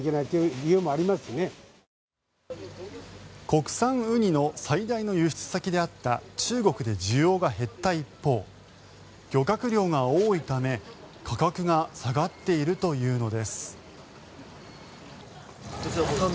国産ウニの最大の輸出先であった中国で需要が減った一方漁獲量が多いため価格が下がっているというのです。